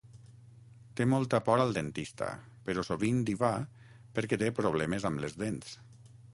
Té molta por al dentista però sovint hi va perquè té problemes amb les dents.